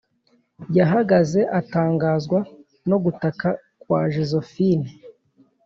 yahagaze atangazwa no gutaka kwa josephine;